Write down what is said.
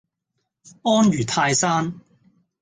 安如泰山